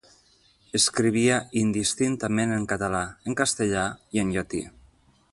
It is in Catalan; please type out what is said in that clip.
Escrivia indistintament en català, en castellà i en llatí.